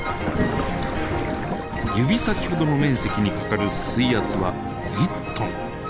指先ほどの面積にかかる水圧は１トン。